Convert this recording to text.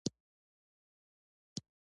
وګړي د افغان ماشومانو د زده کړې موضوع ده.